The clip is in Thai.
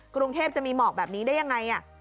กรุงเทพจะมีหมอกแบบนี้ได้ยังไง